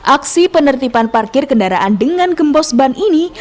aksi penertiban parkir kendaraan dengan gembos ban ini